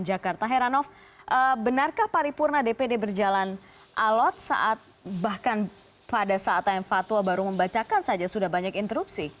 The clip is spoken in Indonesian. jakarta heranov benarkah paripurna dpd berjalan alot saat bahkan pada saat tm fatwa baru membacakan saja sudah banyak interupsi